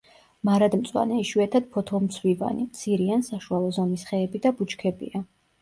მარადმწვანე, იშვიათად ფოთოლმცვივანი, მცირე ან საშუალო ზომის ხეები და ბუჩქებია.